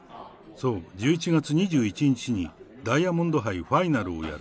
そう、１１月２１日にダイヤモンド杯ファイナルをやる。